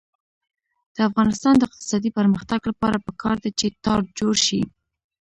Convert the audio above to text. د افغانستان د اقتصادي پرمختګ لپاره پکار ده چې تار جوړ شي.